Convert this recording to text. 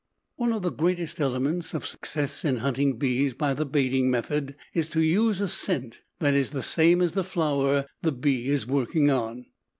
One of the greatest elements of success in hunting bees by the baiting method is to use a scent that is the same as the flower the bee is working on.